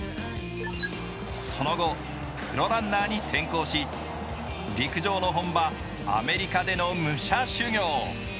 その後プロランナーに転向し陸上の本場アメリカでの武者修行。